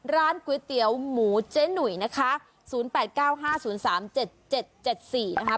ร้านก๋วยเตี๋ยวหมูเจ๊หนุ่ยนะคะ๐๘๙๕๐๓๗๗๔นะคะ